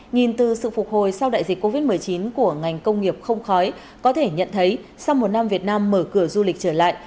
nhìn từ sự phục hồi sau đại dịch covid một mươi chín của ngành công nghiệp không khói có thể nhận thấy sau một năm việt nam mở cửa du lịch trở lại